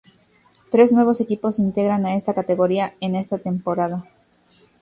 Tres nuevos equipos se integran a esta categoría en esta temporada.